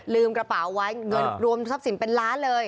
กระเป๋าไว้เงินรวมทรัพย์สินเป็นล้านเลย